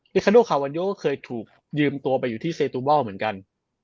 คาโนคาวันโยก็เคยถูกยืมตัวไปอยู่ที่เซตูบอลเหมือนกัน